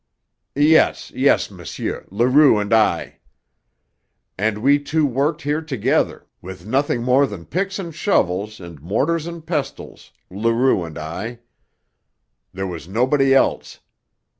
"Yes, yes, monsieur, Leroux and I. And we two worked here together, with nothing more than picks and shovels and mortars and pestles, Leroux and I. There was nobody else.